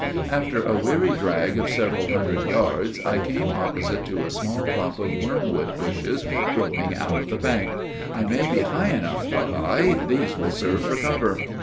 After a weary drag of several hundred yards, I came opposite to a small clump of wormwood bushes, growing out of the bank. "I may be high enough," thought I, "these will serve for cover."